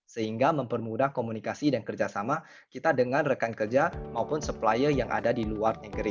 sehingga mempermudah komunikasi dan kerjasama kita dengan rekan kerja maupun supplier yang ada di luar negeri